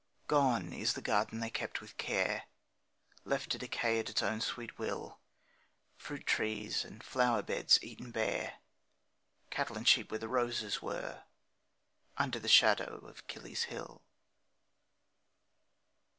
Gone is the garden they kept with care; Left to decay at its own sweet will, Fruit trees and flower beds eaten bare, Cattle and sheep where the roses were, Under the shadow of Kiley's Hill.